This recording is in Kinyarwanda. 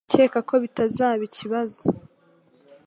Ndakeka ko bitazaba ikibazo